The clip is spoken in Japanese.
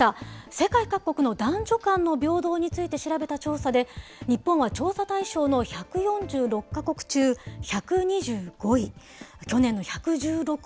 世界各国の男女間の平等について調べた調査で、日本は調査対象の１４６か国中、１２５位。